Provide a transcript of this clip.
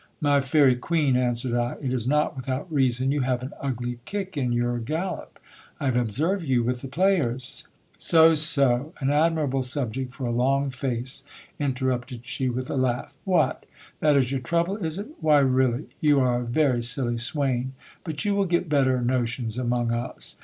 My fairy cueen, answered I, it is not without reason, you have an ugly kick in your gal lop. I have observed you with the players So, so ! An admirable subject for a long face, interrupted she with a laugh. What ! That is your t ouble, is it ? Why really ! You are a very silly swain ; but you will get better rotions among us.